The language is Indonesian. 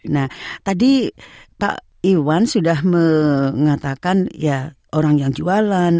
nah tadi pak iwan sudah mengatakan ya orang yang jualan